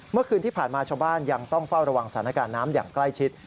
เมื่อคืนที่ผ่านมาชาวบ้านยังต้องเฝ้าระวังสถานการณ์น้ำอย่างใกล้ชิด